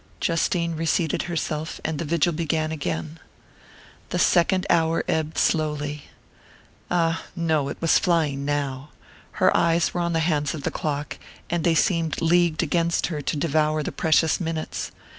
Justine reseated herself, and the vigil began again. The second hour ebbed slowly ah, no, it was flying now! Her eyes were on the hands of the clock and they seemed leagued against her to devour the precious minutes.